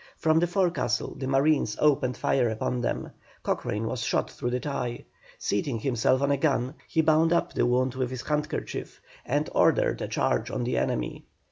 From the forecastle the marines opened fire upon them. Cochrane was shot through the thigh. Seating himself on a gun, he bound up the wound with his handkerchief, and ordered a charge on the enemy.